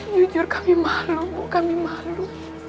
jujur kami malu kami malu